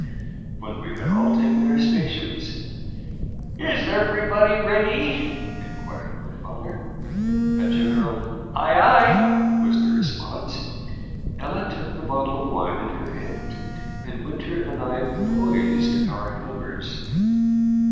When we had all taken our stations "Is everybody ready?" inquired my father. A general "Ay, ay," was the response. Ella took the bottle of wine in her hand, and Winter and I poised our hammers.